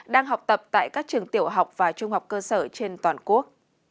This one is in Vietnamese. đang học tập tại các trường tiểu học và trung học cơ sở trên toàn quốc